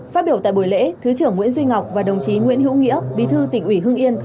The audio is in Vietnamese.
phát biểu tại buổi lễ thứ trưởng nguyễn duy ngọc và đồng chí nguyễn hữu nghĩa bí thư tỉnh ủy hương yên